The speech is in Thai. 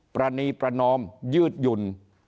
ประนีประนอมยืดหยุ่น